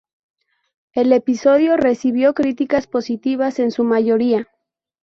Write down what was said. El episodio recibió críticas positivas en su mayoría.